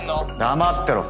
黙ってろ。